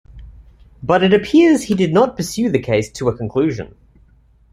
But it appears he did not pursue the case to a conclusion.